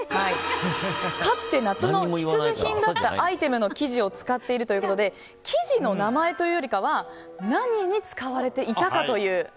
かつて夏の必需品だったアイテムの生地を使っているということで生地の名前というよりは何に使われていたかという。